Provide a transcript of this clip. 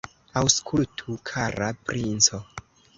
Aŭskultu, kara princo!